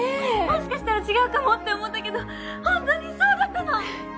もしかしたら違うかもって思ったけどホントにそうだったの！